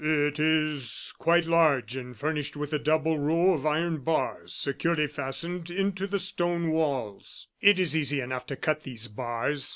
"It is quite large and furnished with a double row of iron bars, securely fastened into the stone walls." "It is easy enough to cut these bars.